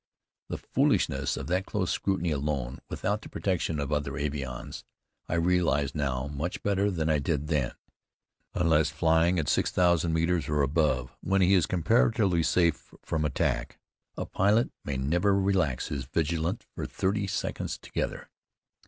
The foolishness of that close scrutiny alone, without the protection of other avions, I realize now much better than I did then. Unless flying at six thousand metres or above, when he is comparatively safe from attack, a pilot may never relax his vigilance for thirty seconds together.